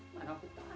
mana aku tahu